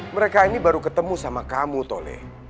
mereka ini baru ketemu sama kamu tole